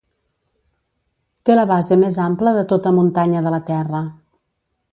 Té la base més ampla de tota muntanya de la Terra.